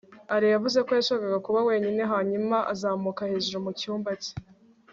alain yavuze ko yashakaga kuba wenyine hanyuma azamuka hejuru mu cyumba cye